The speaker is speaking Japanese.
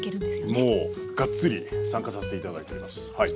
もうがっつり参加させて頂いておりますはい。